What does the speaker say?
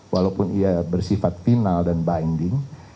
walaupun ia bersifat final dan binding